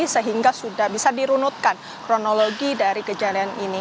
sehingga sudah bisa dirunutkan kronologi dari kejadian ini